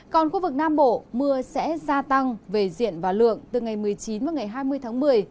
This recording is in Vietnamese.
còn khu vực nam bộ mưa sẽ gia tăng về diện và lượng từ ngày một mươi chín và ngày hai mươi tháng một mươi